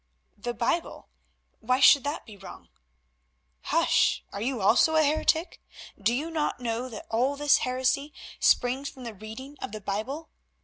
"The Bible! Why should that be wrong?" "Hush! Are you also a heretic? Do you not know that all this heresy springs from the reading of the Bible?